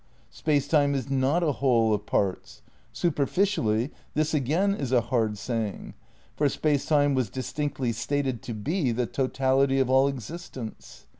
"Space Time is not a whole of parts." Superfici ally, this again is a hard saying, for Space Time was distinctly stated to be the totality of all existents.